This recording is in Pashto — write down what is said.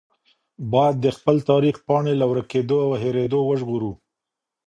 باید د خپل تاریخ پاڼې له ورکېدو او هېرېدو وژغورو.